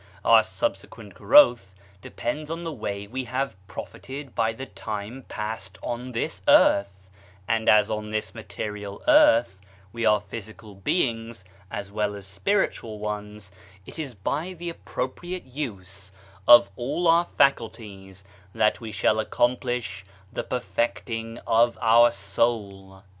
Our subse quent growth depends on the way we have profited by the time passed on this earth ; and as on this material earth we are physical beings as well as spiritual ones, it is by the appropriate use of all our faculties that we shall accomplish the perfecting of our soul.